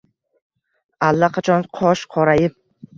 Allaqachon qosh qorayib